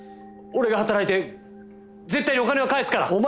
俺が働いて絶対にお金は返すから！